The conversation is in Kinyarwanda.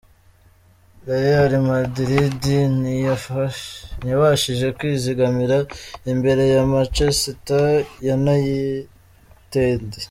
Reyali Madiridi ntiyabashije kwizigamira imbere ya Macesita yunayitedi